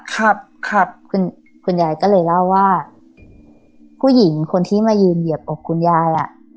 ครับครับคุณคุณยายก็เลยเล่าว่าผู้หญิงคนที่มายืนเหยียบอกคุณยายอ่ะ